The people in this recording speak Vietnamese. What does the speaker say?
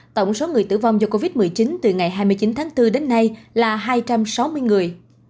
tổng số người tử vong do covid một mươi chín từ ngày hai mươi chín tháng bốn đến nay là hai trăm sáu mươi người